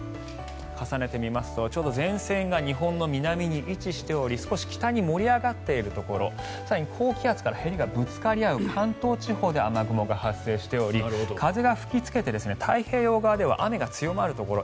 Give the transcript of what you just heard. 重ねてみますと、ちょうど前線が日本の南に位置しており少し北に盛り上がっているところ更に高気圧からへりがぶつかり合う関東地方で雨雲が発生しており風が吹きつけて太平洋側では雨が強まるところ